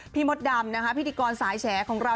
มดดำนะคะพิธีกรสายแฉของเรา